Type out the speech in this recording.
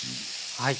はい。